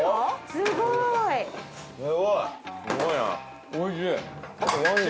すごいな。